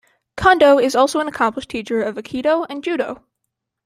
Kondo is also an accomplished teacher of Aikido and Judo.